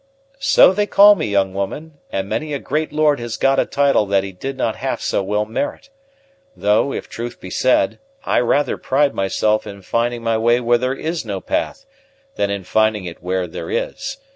"So they call me, young woman, and many a great lord has got a title that he did not half so well merit; though, if truth be said, I rather pride myself in finding my way where there is no path, than in finding it where there is.